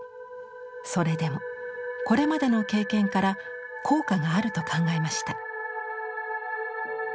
それでもこれまでの経験から効果があると考えました。